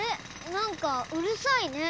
なんかうるさいね。